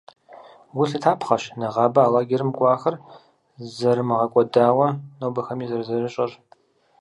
Гу лъытапхъэщ нэгъабэ а лагерым кӏуахэр зэрымыгъэкӏуэдауэ нобэми зэрызэрыщӏэр.